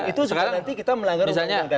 itu sekarang nanti kita melanggar perundang undangan